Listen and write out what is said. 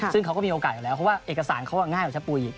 ซึ่งเขาก็มีโอกาสอยู่แล้วเพราะว่าเอกสารเขาง่ายกว่าชะปุ๋ย